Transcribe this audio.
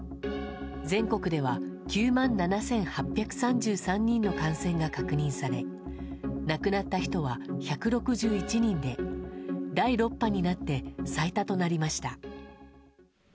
全国では９万７８３３人の感染が確認され、亡くなった人は１６１人で、第６波になって最多となりました。